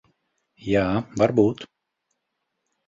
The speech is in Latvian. Jā, varbūt.